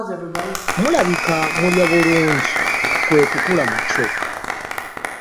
Mulabika mulya bulungi kwe kukula mutyo.